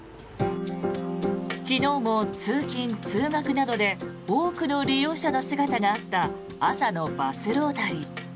昨日も通勤・通学などで多くの利用者の姿があった朝のバスロータリー。